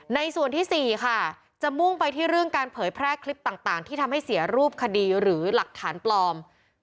ในส่วนที่๔ค่ะจะมุ่งไปที่เรื่องการเผยแพร่คลิปต่างที่ทำให้เสียรูปคดีหรือหลักฐานปลอม